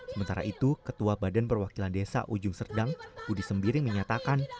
sementara itu ketua badan perwakilan desa ujung serdang budi sembiring menyatakan